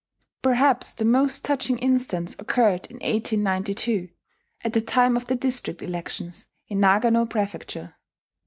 Perhaps the most touching instance occurred in 1892, at the time of the district elections in Nagano prefecture.